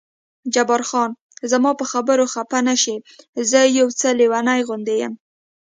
جبار خان: زما په خبرو خفه نه شې، زه یو څه لېونی غوندې یم.